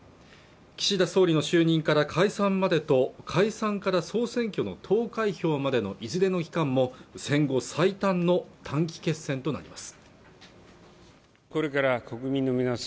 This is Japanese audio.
岸田総理の就任から解散までと解散から総選挙の投開票までのいずれの期間も戦後最短の短期決戦となります